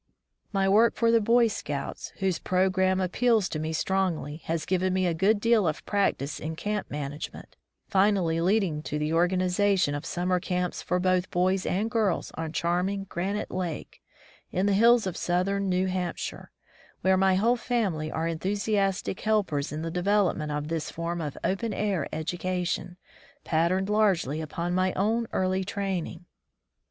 My work for the Boy Scouts, whose pro gram appeals to me strongly, has given me a good deal of practice in camp management, finally leading to the organization of summer camps for both boys and girls on charming Granite Lake in the hills of southern New Hampshire, where my whole family are enthusiastic helpers in the development of this form of open air education, patterned largely upon my own early training.